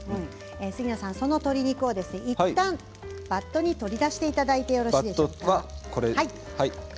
杉野さん、その鶏肉をいったんバットに取り出していただいてよろしいでしょうか。